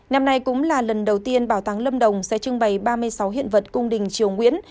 năm nay cũng là lần đầu tiên bảo tàng lâm đồng sẽ trưng bày ba mươi sáu hiện vật cung đình triều nguyễn